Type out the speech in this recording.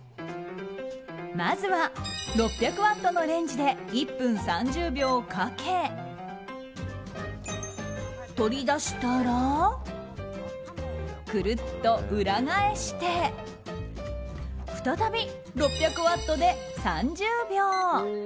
まずは６００ワットのレンジで１分３０秒かけ取り出したらくるっと裏返して再び６００ワットで３０秒。